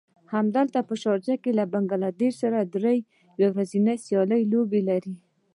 همدلته په شارجه کې له بنګله دېش سره دری يو ورځنۍ لوبې لري.